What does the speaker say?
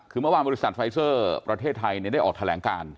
คือเมื่อวานบริษัทไฟเซอร์ประเทศไทยได้ออกแถลงการ